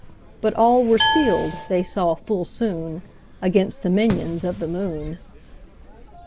But all were sealed, they saw full soon, Against the minions of the moon.